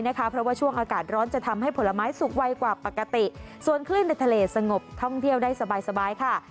เพราะว่าช่วงอากาศร้อนจะทำให้ผลไม้สุกไวกว่าปกติส่วนคลื่นในทะเลสงบท่องเที่ยวได้สบายค่ะ